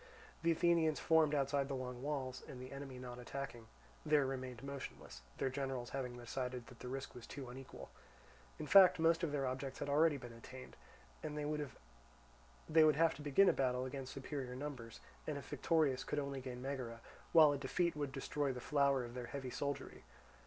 The Athenians formed outside the long walls and, the enemy not attacking, there remained motionless; their generals having decided that the risk was too unequal. In fact most of their objects had been already attained; and they would have to begin a battle against superior numbers, and if victorious could only gain Megara, while a defeat would destroy the flower of their heavy soldiery.